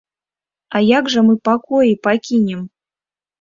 А як жа мы пакоі пакінем?